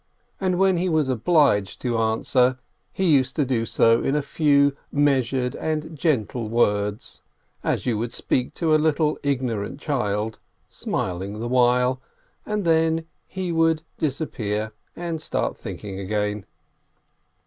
And when he was obliged to answer, he used to do so in a few measured and gentle words, as you would speak to a little, ignorant child, smiling the while, and then he would disappear and start thinking again.